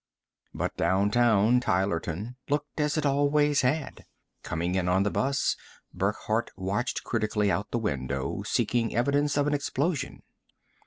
But downtown Tylerton looked as it always had. Coming in on the bus, Burckhardt watched critically out the window, seeking evidence of an explosion.